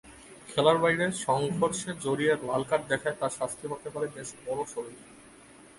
খেলার বাইরে সংঘর্ষে জড়িয়ে লালকার্ড দেখায় তাঁর শাস্তি হতে পারে বেশ বড়সড়ই।